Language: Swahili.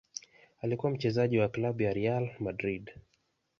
Alikuwa mchezaji wa klabu ya Real Madrid.